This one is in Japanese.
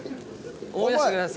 思い出してください